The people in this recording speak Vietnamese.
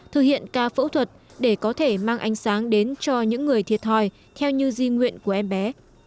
thực hiện ca phẫu thuật để có thể mang ánh sáng đến cho những người thiệt thòi theo như di nguyện của em bé